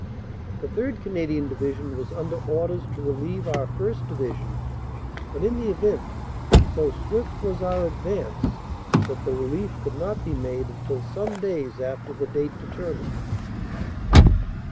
The 3rd. Canadian Division was under orders to relieve our 1st. Division, but in the event, so swift was our advance that the relief could not be made until some days after the date determined.